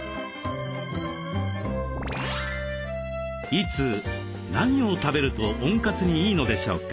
いつ何を食べると温活にいいのでしょうか？